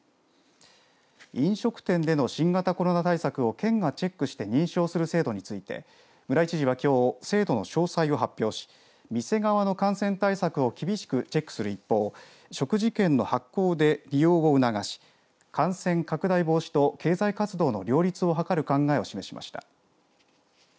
飲食店での新型コロナ対策を県がチェックして認証する制度について村井知事は、きょう制度の詳細を発表し店側の感染対策を厳しくチェックする一方食事券の発行で利用を促し感染拡大防止と経済活動の両立を図る考えを示しました。